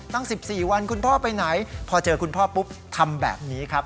ตั้ง๑๔วันคุณพ่อไปไหนพอเจอคุณพ่อปุ๊บทำแบบนี้ครับ